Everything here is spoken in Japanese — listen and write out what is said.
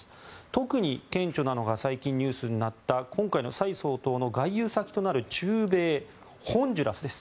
特に顕著なのが最近、ニュースになった今回の蔡総統の外遊先となる中米ホンジュラスです。